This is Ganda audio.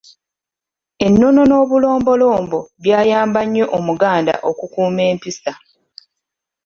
Ennono n'obulombolombo byayamba nnyo Omuganda okukuuma empisa.